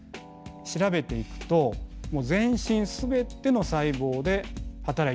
調べていくと全身全ての細胞で働いている。